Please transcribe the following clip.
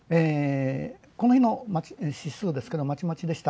この日の指数ですがまちまちです。